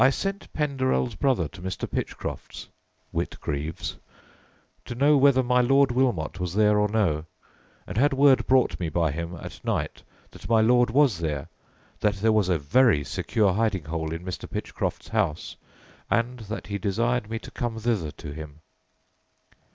sent Penderell's brother to Mr. Pitchcroft's [Whitgreaves] to know whether my Lord Wilmot was there or no, and had word brought me by him at night that my lord was there, that there was a very secure hiding hole in Mr. Pitchcroft's house, and that he desired me to come thither to him."